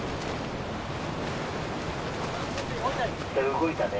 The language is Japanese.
「動いたね」。